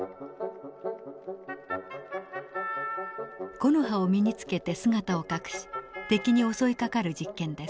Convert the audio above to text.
木の葉を身につけて姿を隠し敵に襲いかかる実験です。